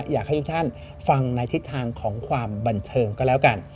อยากให้ทุกท่านฟังในทิศทางของความบันเทิงก็แล้วกัน